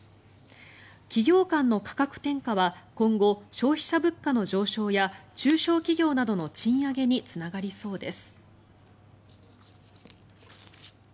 企業間の価格転嫁は今後、消費者物価の上昇や中小企業などの賃上げにつながりそうです。